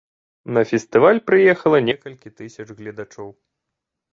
На фестываль прыехала некалькі тысяч гледачоў.